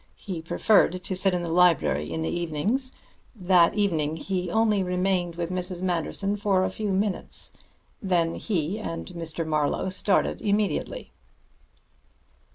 He preferred to sit in the library in the evenings. That evening he only remained with Mrs. Manderson for a few minutes. Then he and Mr. Marlowe started immediately."